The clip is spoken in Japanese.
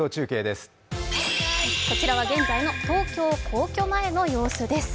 こちらは現在の東京・皇居前の様子です。